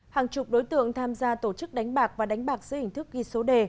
hàng chục đối tượng tham gia tổ chức đánh bạc và đánh bạc dưới hình thức ghi số đề